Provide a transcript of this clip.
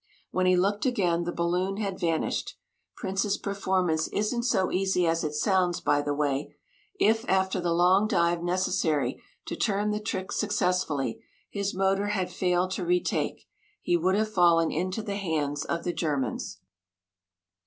When he looked again, the balloon had vanished. Prince's performance isn't so easy as it sounds, by the way. If, after the long dive necessary to turn the trick successfully, his motor had failed to retake, he would have fallen into the hands of the Germans.